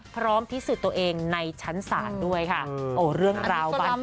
พร้อมพิสูจน์ตัวเองในชั้นศาลด้วยค่ะโอ้เรื่องราวบาน